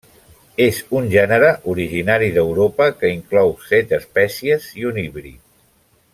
És un gènere originari d'Europa que inclou set espècies i un híbrid.